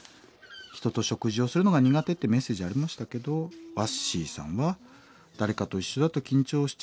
人と食事をするのが苦手ってメッセージありましたけどワッシーさんは「誰かと一緒だと緊張しちゃう。